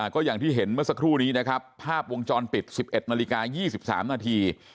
ก็อย่างที่เห็นเมื่อสักครู่นี้นะครับภาพวงจรปิด๑๑นาฬิกา๒๓นาที